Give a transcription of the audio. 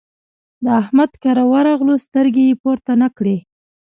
د احمد کره ورغلو؛ سترګې يې پورته نه کړې.